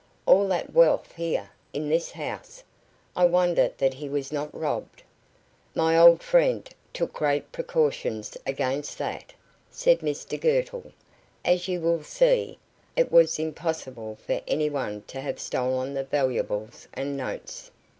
"All that wealth here in this house! I wonder that he was not robbed." "My old friend took great precautions against that," said Mr Girtle. "As you will see, it was impossible for any one to have stolen the valuables and notes."